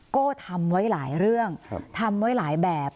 โก้ทำไว้หลายเรื่องทำไว้หลายแบบ